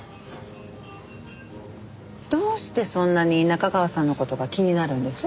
どうしてそんなに中川さんの事が気になるんです？